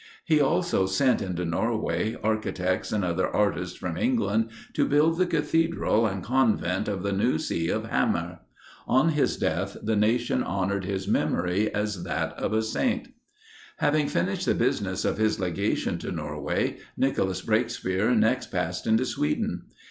He also sent into Norway, architects and other artists from England, to build the cathedral and convent of the new see of Hammer. On his death the nation honored his memory as that of a saint. Having finished the business of his legation to Norway, Nicholas Breakspere next passed into Sweden.